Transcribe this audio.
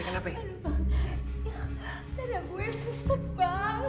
aduh bang dada gue sesep bang